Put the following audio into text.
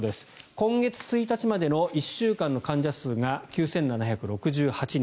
今月１日までの１週間の患者数が９７６８人。